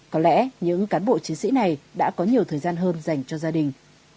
có lẽ những cán bộ chiến sĩ này đã có nhiều thời gian hơn dành cho gia đình